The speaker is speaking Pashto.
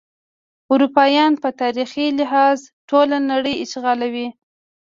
اروپایان په تاریخي لحاظ ټوله نړۍ اشغالوي.